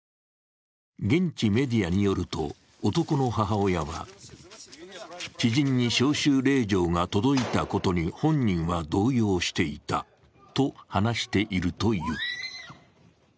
現地メディアによると、男の母親は知人に招集令状が届いたことに本人は動揺していたと話しているという。